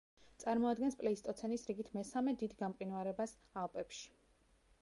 წარმოადგენს პლეისტოცენის რიგით მესამე დიდ გამყინვარებას ალპებში.